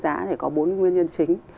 tính giá có bốn nguyên nhân chính